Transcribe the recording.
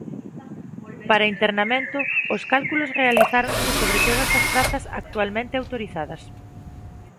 Para internamento, os cálculos realizáronse sobre todas as prazas actualmente autorizadas.